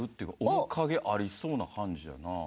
面影ありそうな感じやな。